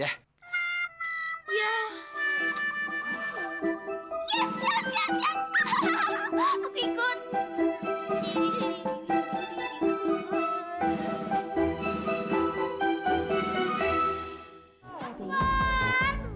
ya udah besok kamu ikut